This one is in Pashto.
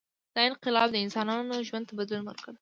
• دا انقلاب د انسانانو ژوند ته بدلون ورکړ.